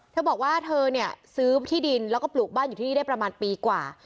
เธอบอกว่าเธอเนี่ยซื้อที่ดินแล้วก็ปลูกบ้านอยู่ที่นี่ได้ประมาณปีกว่า